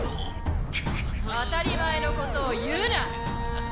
当たり前のことを言うな！